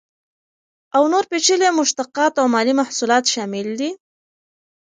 او نور پیچلي مشتقات او مالي محصولات شامل دي.